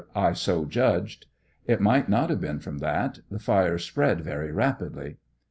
I so judged; it might not have been from that; the fires spread very rapidly.